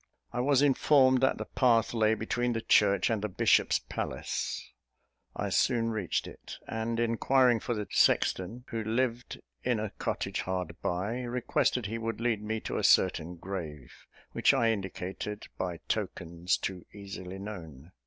I was informed that the path lay between the church and the bishop's palace. I soon reached it; and, inquiring for the sexton, who lived in a cottage hard by, requested he would lead me to a certain grave, which I indicated by tokens too easily known.